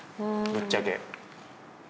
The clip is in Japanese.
ぶっちゃけ。